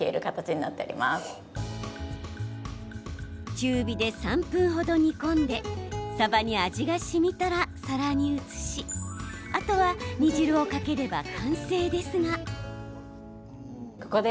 中火で３分程、煮込んでさばに味がしみたら皿に移しあとは煮汁をかければ完成ですが。